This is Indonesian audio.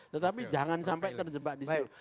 tetapi jangan sampai terjebak di situ